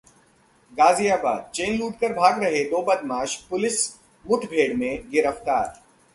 गाजियाबादः chain लूटकर भाग रहे दो बदमाश पुलिस मुठभेड़ में गिरफ्तार